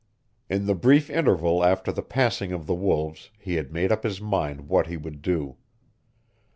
In the brief interval after the passing of the wolves he had made up his mind what he would do.